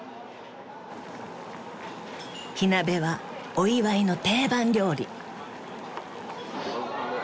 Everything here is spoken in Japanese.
［火鍋はお祝いの定番料理］